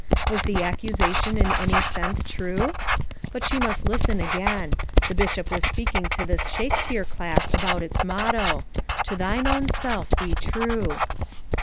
Was the accusation in any FOUR MOTHERS AT CHAUTAUQUA 221 sense true? But she must listen again., The Bishop was speaking to this Shakespeare class about its motto: "To thine own self he true.